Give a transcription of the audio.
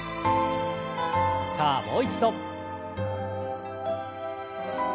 さあもう一度。